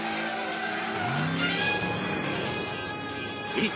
えっ。